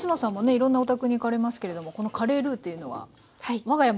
いろんなお宅に行かれますけれどもこのカレールーっていうのはわが家も必ずありますけれども。